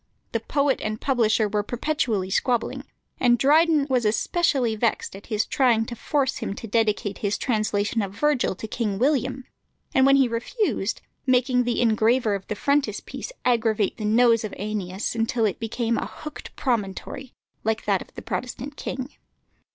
The poet and publisher were perpetually squabbling, and Dryden was especially vexed at his trying to force him to dedicate his translation of Virgil to King William, and when he refused, making the engraver of the frontispiece aggravate the nose of Æneas till it became "a hooked promontory," like that of the Protestant king.